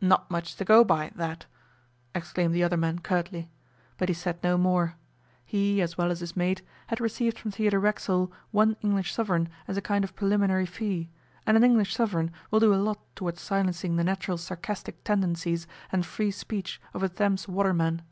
'Not much to go by, that,' exclaimed the other man curtly. But he said no more. He, as well as his mate, had received from Theodore Racksole one English sovereign as a kind of preliminary fee, and an English sovereign will do a lot towards silencing the natural sarcastic tendencies and free speech of a Thames waterman.